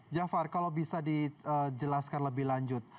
jafar kalau bisa dijelaskan lebih lanjut